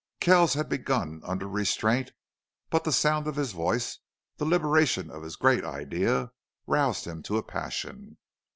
Kells had begun under restraint, but the sound of his voice, the liberation of his great idea, roused him to a passion.